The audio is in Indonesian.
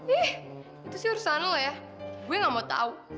eh itu sih urusan lo ya gue gak mau tahu